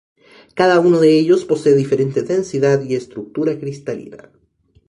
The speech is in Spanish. Cada uno de ellos posee diferente densidad y estructura cristalina.